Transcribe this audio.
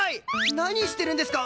何してるんですか？